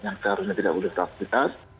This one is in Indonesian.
yang seharusnya tidak punya kualitas